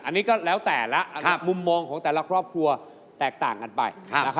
อันนี้ก็แล้วแต่ละมุมมองของแต่ละครอบครัวแตกต่างกันไป